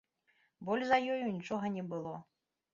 Больш за ёю нічога не было.